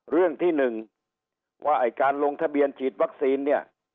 เรื่องที่๑ว่าไอ้การลงทะเบียนฉีดวัคซีนเนี่ย